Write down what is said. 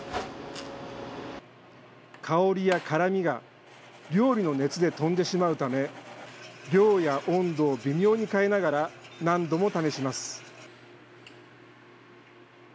香りや辛みが料理の熱で飛んでしまうため、量や温度を微妙に変えながら、何度も試します。